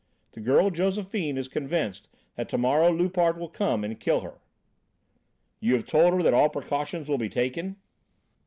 The girl, Josephine, is convinced that to morrow Loupart will come and kill her." "You have told her that all precautions will be taken?"